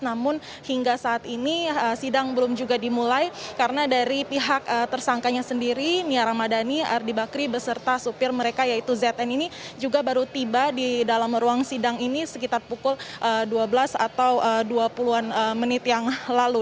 namun hingga saat ini sidang belum juga dimulai karena dari pihak tersangkanya sendiri mia ramadhani ardi bakri beserta supir mereka yaitu zn ini juga baru tiba di dalam ruang sidang ini sekitar pukul dua belas atau dua puluh an menit yang lalu